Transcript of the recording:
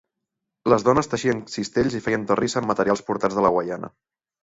Les dones teixien cistells i feien terrissa amb materials portats de la Guaiana.